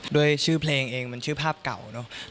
ด้วยชื่อเพลงเองมันชื่อภาพเก่าเนอะ